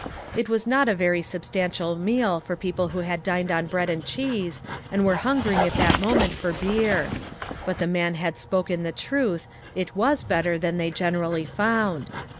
It was not a very sub stantial meal for people who had dined on bread and cheese, and were hungering at that moment for beer; but the man had spoken the truth, it was better than they generally found.